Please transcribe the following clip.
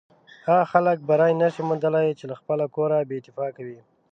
هغه خلک بری نشي موندلی چې له خپله کوره بې اتفاقه وي.